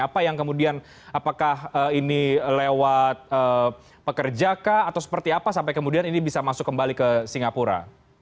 apa yang kemudian apakah ini lewat pekerja kah atau seperti apa sampai kemudian ini bisa masuk kembali ke singapura